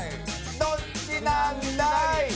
どっちなんだい！